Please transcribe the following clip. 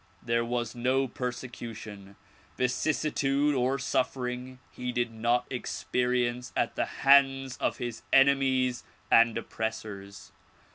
There was no persecution, vicissitude or sufit'ering he did not experience at the hand of his enemies and oppressors.